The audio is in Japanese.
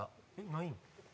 ないん？